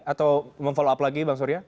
atau memfollow up lagi bang surya